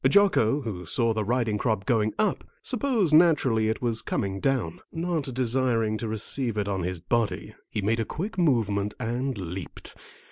Jocko, who saw the riding crop going up, supposed naturally it was coming down. Not desiring to receive it on his body, he made a quick movement and leaped.